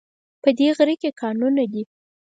په دی غره کې کانونه دي